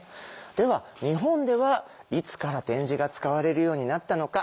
では日本ではいつから点字が使われるようになったのか。